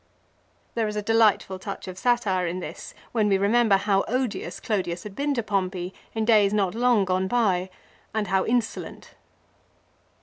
l There is a delightful touch of satire in this when we remember how odious Clodius had been to Pompey in days not long gone by, and how insolent.